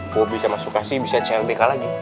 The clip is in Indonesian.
gue bisa masuk kasih bisa clbk lagi